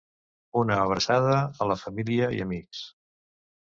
Una abraçada a la família i amics.